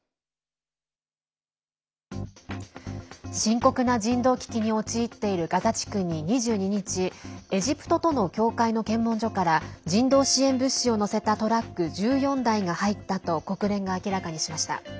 深刻な人道危機に陥っているガザ地区に２２日エジプトとの境界の検問所から人道支援物資を載せたトラック１４台が入ったと国連が明らかにしました。